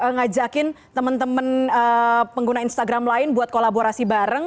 ngajakin temen temen pengguna instagram lain buat kolaborasi bareng